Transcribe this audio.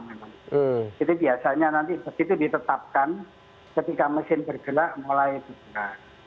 jadi biasanya nanti begitu ditetapkan ketika mesin bergelak mulai bergelak